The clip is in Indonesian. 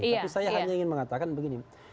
tapi saya hanya ingin mengatakan begini